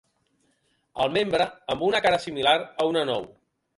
El membre amb una cara similar a una nou.